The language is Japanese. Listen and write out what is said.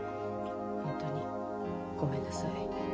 本当にごめんなさい。